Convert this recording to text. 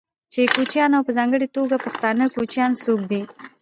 چې کوچيان او په ځانګړې توګه پښتانه کوچيان څوک دي،